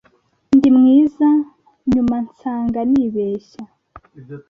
ndimwiza, nyuma, nsanga nibeshya